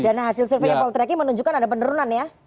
dan hasil surveinya poltrek menunjukkan ada penurunan ya